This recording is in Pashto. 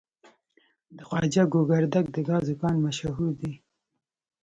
د خواجه ګوګردک د ګازو کان مشهور دی.